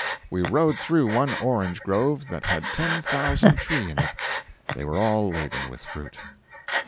We rode through one orange grove that had ten thousand trees in it! They were all laden with fruit.